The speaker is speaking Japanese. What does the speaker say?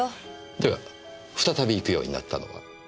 では再び行くようになったのは？